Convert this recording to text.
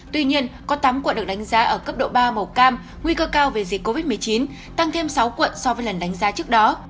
tuy nhiên có tám quận được đánh giá ở cấp độ ba màu cam nguy cơ cao về dịch covid một mươi chín tăng thêm sáu quận so với lần đánh giá trước đó